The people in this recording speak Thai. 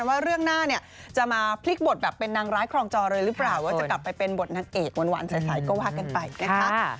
ว่าเรื่องหน้าเนี่ยจะมาพลิกบทแบบเป็นนางร้ายครองจอเลยหรือเปล่าว่าจะกลับไปเป็นบทนางเอกหวานใสก็ว่ากันไปนะคะ